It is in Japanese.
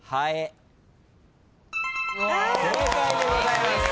正解でございます。